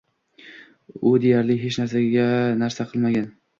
U deyarli hech narsa qilmagan.